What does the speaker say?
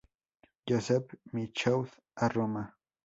Joseph Michaud a Roma.